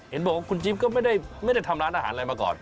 เห็นบอกว่าคุณจิ๊บก็ไม่ได้ทำร้านอาหารอะไรมาก่อน